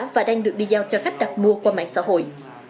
và đang được đi giao cho khách đặt mua qua mạng xã hội